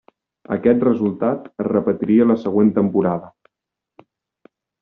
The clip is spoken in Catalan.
Aquest resultat es repetiria la següent temporada.